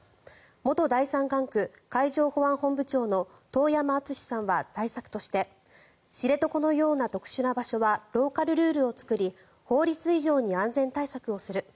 元第三管区海上保安本部長の遠山純司さんは対策として知床のような特殊な場所はローカルルールを作り法律以上に安全対策をする。